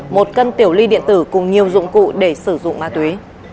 một cân tiểu ly điện tử cùng nhiều dụng cụ để sử dụng ma túy